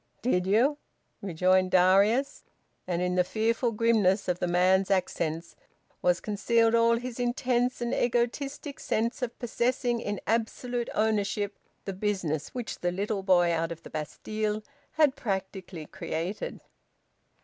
"Did you?" rejoined Darius. And in the fearful grimness of the man's accents was concealed all his intense and egoistic sense of possessing in absolute ownership the business which the little boy out of the Bastille had practically created.